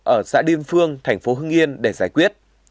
ở xã điêm phương thành phố hưng yên để giải quyết